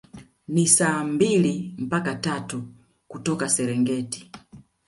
Ni saa mbili mpaka tatu kutoka Serengeti